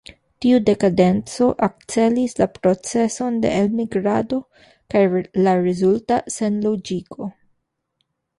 Tiu dekadenco akcelis la procezon de elmigrado kaj la rezulta senloĝigo.